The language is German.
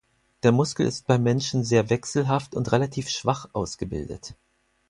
Der Muskel ist beim Menschen sehr wechselhaft und relativ schwach ausgebildet.